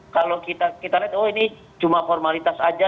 kalau kita lihat oh ini cuma formalitas aja